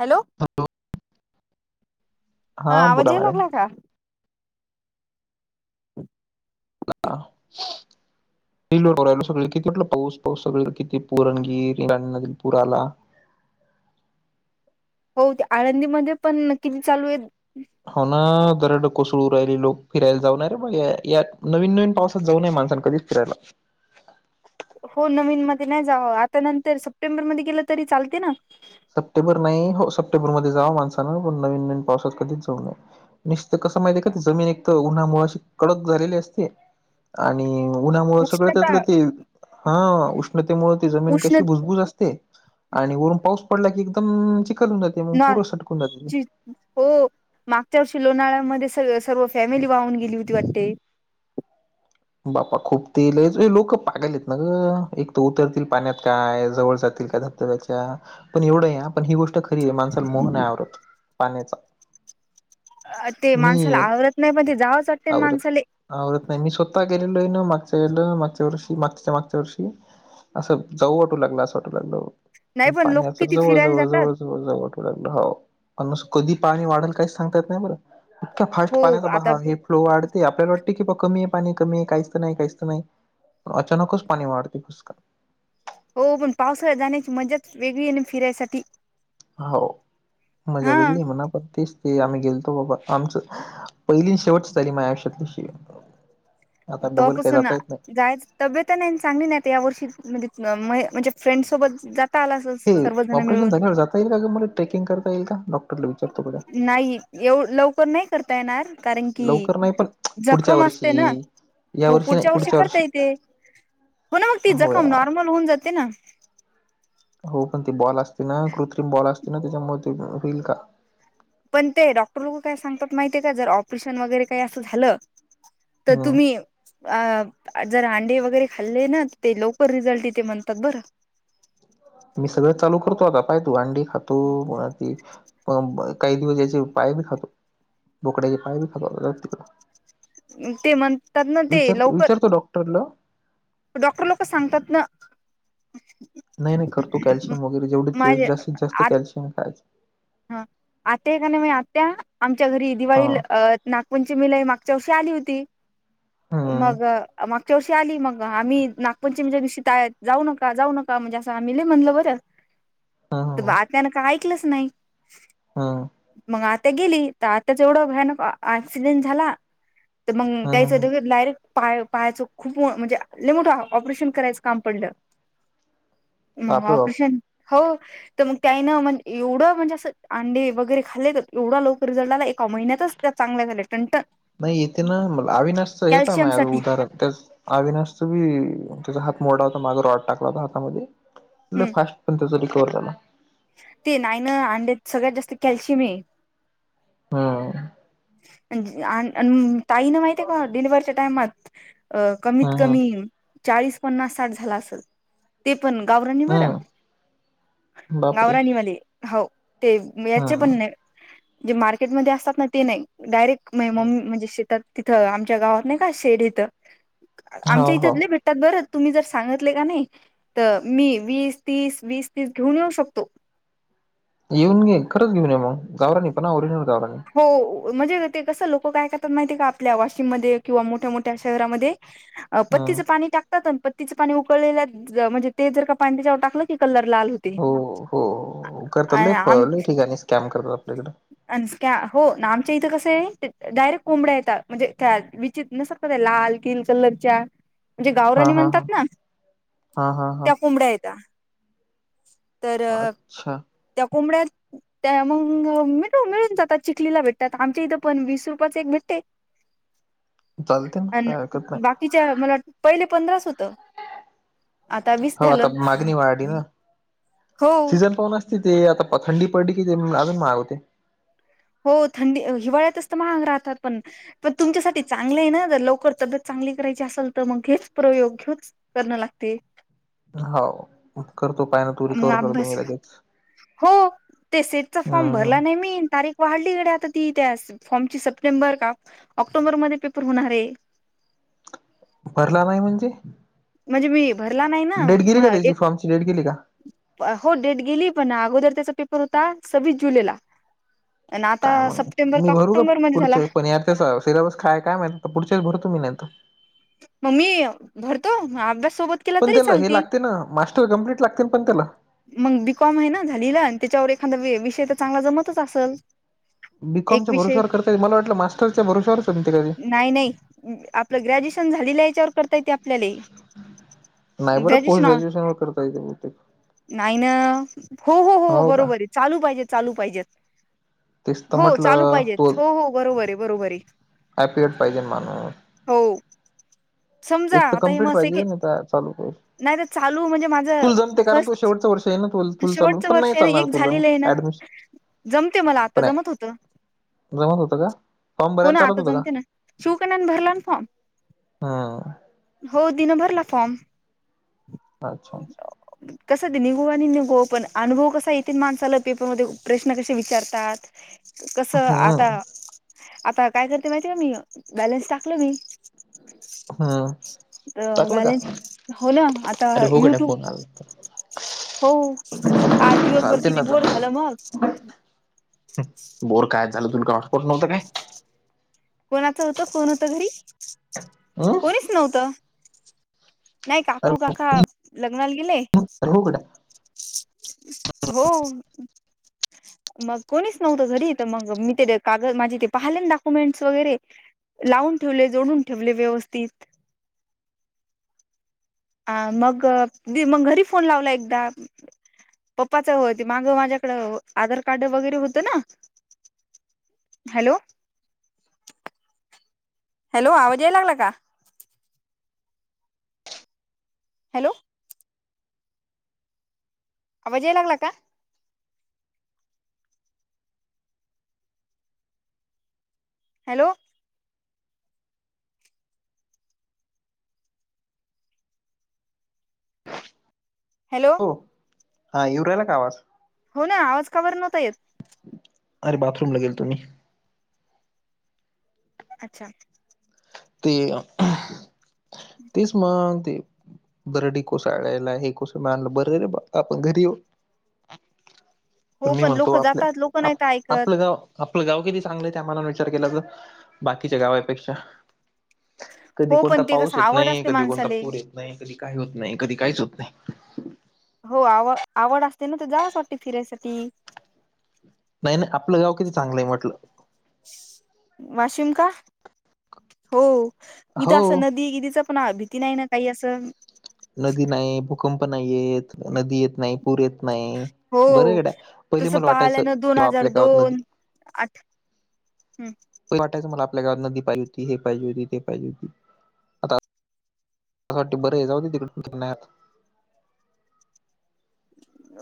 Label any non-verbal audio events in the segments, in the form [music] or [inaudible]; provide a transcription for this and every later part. Hello hello हा आवाज येय मॅडम लागला का [unintelligible] बिल्ला सगळ किती उुठलं पाऊस पाऊस सगळ किती पुरणगीर नदी पुूरा आला [unintelligible] हो ते आळंदीमध्येध्ये पण किती चालू आहेत. हो ना दरड कोसळू राहिली लोक फिरायला जाऊणारे मग यात नवीन नवीन पावसात जाऊनये माणसां कधी फिरायला हो नवीन मध्ये नाही जावं आता नंतर सप्टेंबरमध्ये गेलं तरी चालते ना, सप्टेंबर नाही हो सप्टेंबरमध्ये, जाव माणसानं पण नवीन नवीन पावसात कधीच जाऊ नये, निश्चित कसं माहिती आहे का त जमीन एक तर उन्हा मुळा अशी कडक झालेली असते. आणि उन्हामुळं सगळं उष्णता त्यातलं ते हा उष्णतेमुळे ती जमीन उष्ण कशी भुजबुज असते. आणि वरून पाऊस पडला की एकदम चिखल होन जाते म ना पूर सटकून जाते ते ची हो मागच्या वर्षी लोणाळ्यामध्ये स सर्व फॅमिली वाहून गेली होती वाटते. बापा खूप तेल लोक पागलत ना ग एक तर उतरतील पाण्यात काय जवळ जातील का धर पण एवढं पण ही गोष्ट तरी माणसाला मोह नाय आवरत पाण्याचा ते माणसाला मी आवडत नाही पण ते जावंच लागते आवरत अहो पण मी स्वतः गेलेलो ए ना मागच्या दोन मागच्या वर्षी मागच्याच्या मागच्या वर्षी असं जाऊ वाटू लागलं असं वाटायला नाही लागलं पण लोक पाण्याच्या किती जवळ फिरायला जवळ जातात. जवळ जवळ जाऊ वाट टू लागलं. हो पण असं कधी पाणी वाढल काहीच सांगता यात नाही बरं, इतक्या फास्ट हो पाण्याचा आता बहार ए. फ्लो वाढते. आपल्याला वाटते की, बा कमी ए पाणी कमी ए काहीच नाही काहीच नाही पण अचानकच पाणी वाढतय फुसकन. हो पण, पावसाळ्यात जाण्याची मज्जाच वेगळी ये ना फिरायसाठी. हो मजा हा वेगळीये म्हणा पण, तेच ते आम्ही गेलतो बाबा आमचं पहिली न शेवटची झाली माझ्या आयुष्यात अशी तव्हापासून ना जायच तब्यत नाही चांगली नाही तर या वर्षी म्हणजे म्हणजे फ्रेंड सोबत जात हे ऑपरेशन झाल्यावर जाता येईल का गं मला? टेकिंग करता येईल का? डॉक्टरला विचारतो.. बघा नाही येव लवकर नाही. रता येणार कारण की, लवकर नाही पण पुढच्या जखम असते ना.. वर्षी हो पुढच्या वर्षी करता येते. हो ना मग ती हो जखम यार नॉर्मल होऊन जाते ना. हो पण ती बॉल असते ना कृत्रिम बॉल असते ना त्याच्यामुळे होईल का? पण ते डॉक्टर लोक काय सांगतात माहितीये का, जर ऑपरेशन वगैरे काही असं झालं. तर हम्म तुम्ही अ जर अंडे वगैरे खाल्ले ना ते लवकर रिझल्ट येते म्हणतात बरं मी सगळंच चालू करतो. आता पाय तू अंडी खातो [unintelligible] ती पण काही दिवस याचे पाय बी खातो. बोकड्याचे पाय बी खातो. जाऊदे तिकडं ते म्हणतात ना ते विचार लवकर विचारतो डॉक्टरला डॉक्टर लोक सांगतात ना. नाही नाही करतो. कॅल्शियम वगैरे जेवढे माझे जास्तीत आ जास्त कॅल्शियम खायचं. हा आत्या का नाही माही आत्या आमच्या घरी हा दिवाळील अ नागपंचमीलाही मागच्या वर्षी आली होती. हम्म मग मागं च्या वर्षी आली मग आम्ही नागपंचमीच्या दिशी त जाऊ नका जाऊ नका म्हणजे असं आम्ही लई म्हणलो बरं ह [unintelligible] [inaudible] तर आत्यानं काही ऐकलंच नाही हं मग आता गेली. त आत्याचा एवढा भयानक ऍक्सिडेंट झाला. तर मग हम्म [unintelligible] डायरेक् क्ट पाय पायचं खूप म्हणजे लय मोठं ऑपरेशन करायचं काम पडलं. मग बापरे बाप ऑपरेशन? हो, तर मग त्यांनं म्हण एवढं म्हणजे असं अंडे वगैरे खाल्ले तर एवढा लौकर रिझल्ट आला. एका महिन्यातच त्या चांगल्या झाल्या टनट. नाही इथे ना अविनाश चं हे पाय माया जवळ साठी उतारा ए त्यावेळेस अविनाशच बी त्याचा हात मोडला होता. माग रॉड टाकला होता. हातामध्ये लई हम्म फास्ट पण त्याचा रिकव्हर झाला. ते नाही नां अंड्यात सगळ्यात जास्त कॅल्शियम ए हं आ अन् ताईनं माहिती ए का डिलिव्हरीच्या टाइमात अ कमीत हम्म कमी चाळीस पन्नास साठ झाला असल. ते पण गावराणी बरं, हम्म बापरे गावराणी वाले हो ते याचे हम्म पण नाही. जे मार्केटमध्येध्ये असतात ना ते नाही. डायरेक्ट हम्म. मेमोन म्हणजे शेतात तिथं आमच्या गावात नाही का शेड इथं हो आमच्या हो इथं लई भेट त्यात बरं, तुम्ही जर सांगातले का नाही तर मी वीस तीस वीस तीस घेऊन येऊ शकतो. येऊन घे, खरंच घेऊन ये मग, गावराण नाही ओरिजिनल गाव नाही. हो म्हणजे ते कसं लोक काय करतात माहितीय का, आपल्या वाशिम मध्ये किंवा मोठ्या मोठ्या शहरामध्ये [unintelligible] पत्तीचं पाणी टाकतात, पत्तीचं पाणी उकळलेलं म्हणजे ते जर का पाणी त्येज्यावर टाकलं की कलर लाल होतं. हो, हो करतात लई ठिकाणी स्कॅम करतात आपल्याकड अ स्कॅ, हो नामच्या इथं कसंय डायरेक्ट कोंबड्या येतात म्हणजे त्या विचित न लाल, किल कलरच्या म्हणजे हा गावराणी हा हा म्हणतात ना, हा हा हा त्या कोंबड्या हायेता. तर अच्छा त्या कोंबड्यात त्या मंग मी जातात चिलीला भेटतं आमच्या इथ पण वीस रुपयाच एक भेटते. चालते ना अन काय हरकत नाही बाकीच्या मला वाटत पहिले पंधरास होत. हो आता मागणी वाढली ना, हो सीझन पाहून असतं ते आता थंडी पडली कि ते अजून महाग होतंय. हो थंडी, हिवाळ्यातच तर महाग राहतात पण पण तुमच्यासाठी चांगलं आहे ना जर लवकर तब्येत चांगली करायची असल तर मग ह्योच प्रयोग ह्योच करणं लागते. होव करतो पाय ना तू मग रिकवर करतो अभ्यास मी लगेच. हो ते सिटचा फॉर्म हम्म भरला नाही मी तारीख हल्लीकडे आता ती त्या फॉर्म ची सप्टेंबर का, ऑक्टोबरमध्ये पेपर हुणार हेय. भरला नाही म्हणजे? म्हणजे मी भरला नाही ना डेट गेली म का एक त्याची फॉर्मची डेट गेली का हो डेट गेली पण अगोदर त्येचा पेपर होता सव्वीस जुलैला अन आता काय मग सप्टेंबर मी का भरू ऑक्टोबर मध्ये झाला. पुढच्या पण यार सिलेबस खाय काय माहीत तर पुढच्याच भरतो मी नाहीतर मी भरतो अभ्यास सोबत केला पण तरी त्याला हे चालते लागते ना, मास्टर कम्प्लीट कम्प्लीट लागतय पण त्येला? मग बीकॉम आहे ना झालीला आणि त्येच्यावर एखादा विषय तर चांगला जमतच असल. एक बीकॉमच्या विषय भरोश्यावर करताय, मला वाटलं मास्टरच्या भरोशावर [unintelligible] नाही नाही आपलं ग्रॅज्युएशन झालेल्या हेच्यावर करता येते आपल्याले नाही बरं पोस्ट ग्रॅज्युएशन वर करता येतय बहुतेक नाही ना, हो, हो, हो, बरोबरय चालू पाहिजेत, चालू पाहिजेत. तेच तर हो चालू म्हटलं पाहिजेत हो, हो बरोबर हेय, बरोबर हेय हॅपीयड पाहिजेल माणूस हो समजा एक तर आता हे म कम्प्लीट असं की, पाहिजे नाही तर चालू पाहिजे. नाही तर चालू म्हणजे माझ तुला जमते कारण तू फस्ट शेवटचं वर्ष आहे ना तु तुला चालून शेवटच पण वर्ष नाही चालणार एक तुला झालेलं आहे ना? ऍडमिशन जमतय मला, आता पण जमत आहे होतं. जमत होतं का फॉर्म हो भरायला ना चालत आता होतं का जमते ना, शुकन्या भरला ना फॉर्म. हा हो तिनं दिनभरला फॉर्म. अच्छा कसं ते निघो आणि निघो पण, अनुभव कसा येतील माणसाला पेपरमध्ये प्रश्न कसे विचारतात. [unintelligible] कसं आता, हम्म आता काय करते माहितीय का मी, बॅलेन्स टाकल मी हम्म तर बॅलेन्स हो ना आता उघडा युट्यूब फोन आला तर. हो, आज दिवसभर चालते ना किती बोर आता झालं ना बोर काय झालं तुला काय हॉटस्पॉट नव्हतं काय? कोणाचं होत, कोण होत घरी? हम्म कोणीच-' नव्हतं, माये काकू- काका लग्नाला गेले. करु का कट हो, [inaudible] मग कोणीच नव्हतं घरी, तर मंग मी ते कागद माझे ते पाहिले डॉक्युमेंट्स वगैरे लावून ठेवले, जोडून ठेवले व्यवस्थित. आ मगं मी मग घरी फोन लावला एकदा पप्पाचं ते मागं माझ्याकडं आधार कार्ड वगैरे होतं ना हॅलो, हॅलो, आवाज यायला लागला का? हॅलो, आवाज यायला लागला का? हॅलो, हॅलो, हो हा, येऊ राहिला का आवाज? हो ना आवाज काबर नव्हता येत? अरं बाथरूम ला गेलतो मी. अच्छा, ते अं तेच मंग ते बरडी कौसाडयला हे कस मानलं बर रे आपण घरी यो हो पण मी म्हणतो लोक आपल्या, जातात लोक आप नाहीत ऐकत -आपलं गाव आपलं गाव किती चांगलंय त्या मानाने विचार केला तर, बाकीच्या गावापेक्षा. कधी हो कोणता पण ते पाऊस कसं येत आवड नाही, असते कधी कोणता माणसाले पूर येत नाही, कधी काही होत नाही, कधी काहीच होत नाही. हो आव, आवड असते ना तर जावसं वाटते फिरायसाठी. नाही- नाही आपलं गाव किती चांगलं आहे म्हटलं. वाशिम का? हो इथं असं हो नदी- गिदीच कोणाला भीती नाही ना काही असं? नदी नाही, भूकंप नाही येत, नदी येत नाही पुूर येत नाही, हो बरं इकड पहिली तसं मला वाटायचं पाहिल्यानं दोन किं हजार आपल्या गावात नदी दोन आठ, हम्म पुरं वाटायचं मला आपल्या गावात नदी पाहिजे होती, हे पाहिजे होती, ते पाहिजे होती. त्यासाठी बरे जाउदे तिकडे कोकणात.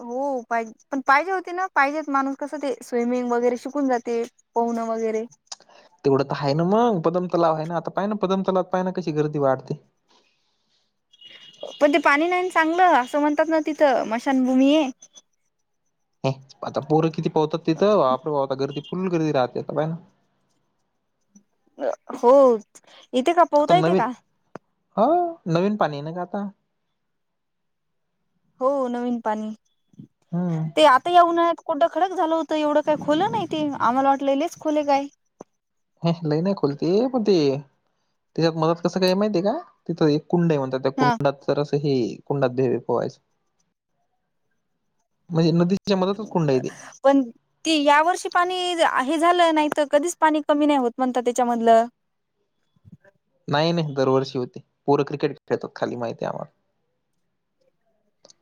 हो पाहिजे, पण पाहिजे होती ना पाहिजेत माणूस कसं ते स्विमिंग वगैरे शिकून जाती. पोहणं वगैरे तेवढं तर आहे ना मग, पदम तलाव आहे ना आता, पाहायना ना पदम तलावात पाहय ना कशी गर्दी वाढते. पण ते पाणी नाही चांगलं असं म्हणतात ना तिथं, मशानभूमी ये आता पोरं किती पोहतात तिथं, आपल आता गर्दी फुल गर्दी राहते आता तिथं. हो येते का, पोहता येते का? हो नवीन पाणी ये ना ग आता. हो नवीन पाणी, हम्म ते आता या उन्हळ्यात कोरंड खडक झालं होतं, एवढं काय खोल नाही ते आम्हाला वाटलं लैच खोल ये का काय. ह्या लई नही खोल ती, पण ते त्याच्यात मदत कसं काय माहितीये का तिथं एक कुंडयं म्हणतात. त्या हा कुंडात तर अस हे कुंडात देवे पोहायचे म्हणजे नदी [unintelligible] पण ती ह्या वर्षी पाणी हे झालं नाही तर कधीच पाणी कमी नाही होत म्हणत त्याच्यामधलं. नायी नायी दरवर्षी होते पोरं क्रिकेट खेळतत खाली माहितीये आम्हाला.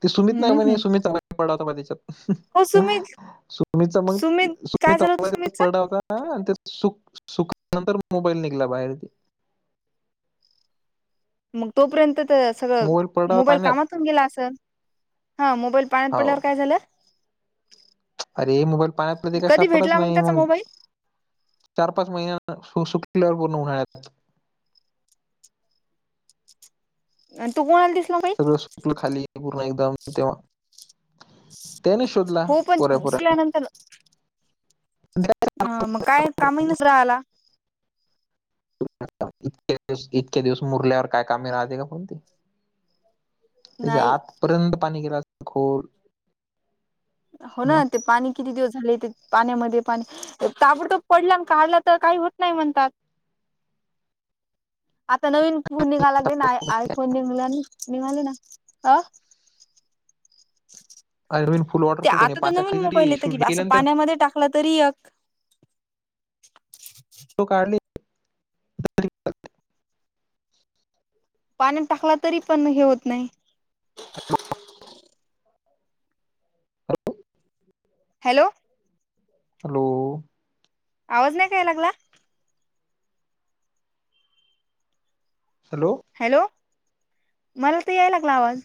ते सुमीत हम्म लमानी हम्म सुमीत चांगला [inaudible] पडाला होता बघा त्याच्यात. हो सुमित [unintelligible] सुमीत सुमित काय [inaudible] झालं होतं सुमितच हां ते सुक सुकल्या नंतर मोबाईल निघला बाहेर ते. मग तोपर्यंत तर सगळ मोबाईल पडला मोबाईल पाण्यात कामात तुन गेला असल हां मोबाईल पाण्यात हाव पडल्यावर काय झालं? अरे मोबाईल पाण्यात पडले काही कधी सापडच भेटला नायी त्याचा मग मोबाईल चार पाच महिन्या सु शुकल्यावर पूर्ण उन्हाळ्यात. अण तो कोणाला दिसला मग सगळं सुटलं खाली पूर्ण एकदम तेव्हा त्यांनी शोधला हो पण पोरा पोरांनी [inaudible] अं मग काय कामही नसला आला [inaudible] इतके इतके दिवस मुरल्यावर काय कामे राहते का कोणती. त्याच्या नाही आतपर्यंत पाणी गेलं असत खोल हों ना मग ते पाणी किती दिवस झाले ते पाण्यामध्ये पाणी ताबडतो पडला ना काढला तर काही होत नाही म्हणतात. आता नवीन फोन निघालागलेना आय फोन निघला नाय निघाले ना अं आय व्हील फुल्ल वाट ते आता तर नवीन मोबाईल येतं की असं पाण्यामध्ये टाकलं तरी एक तो काढली पाणी टाकला तरी पण हे होत नायी [inaudible] हॅलो. हॅलो. आवाज नाय का याय लागला? हॅलो. हॅलो मला तर याय लागला आवाज.